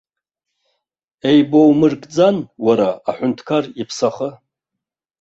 Еибаумыркӡан уара аҳәынҭқар иԥсахы!